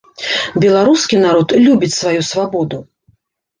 Беларускі народ любіць сваю свабоду.